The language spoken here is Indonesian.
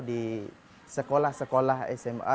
di sekolah sekolah sma